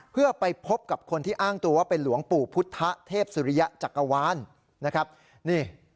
เพื่อไปพบกับคนที่อ้างตัวว่าเป็นหลวงปู่พุทธเทพสุริยะจักรวาลนะครับนี่